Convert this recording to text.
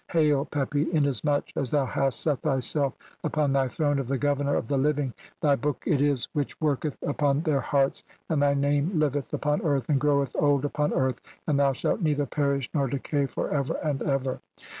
Hail, "Pepi, inasmuch as thou hast set thyself upon thy "throne (21) of the Governor of the Living, thy book "it is which worketh upon their hearts, and thy name "liveth upon earth, and groweth old upon earth, and "thou shalt neither perish nor decav for ever and "ever."